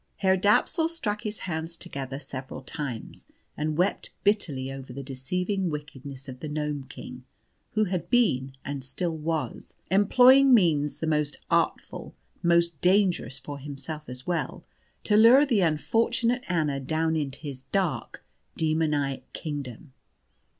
Herr Dapsul struck his hands together several times, and wept bitterly over the deceiving wickedness of the Gnome king, who had been, and still was, employing means the most artful most dangerous for himself as well to lure the unfortunate Anna down into his dark, demoniac kingdom.